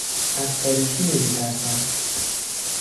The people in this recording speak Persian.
از تاریکی نمیترسم.